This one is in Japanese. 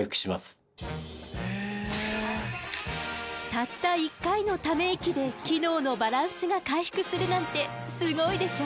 たった１回のため息で機能のバランスが回復するなんてすごいでしょ！